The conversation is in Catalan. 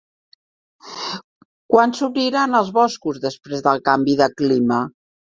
Quan s'obriren els boscos després del canvi de clima?